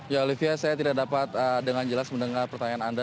ya olivia saya tidak dapat dengan jelas mendengar pertanyaan anda